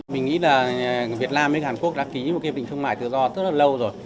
mình nghĩ là việt nam và hàn quốc đã ký một cái bình thương mại tự do rất là lâu rồi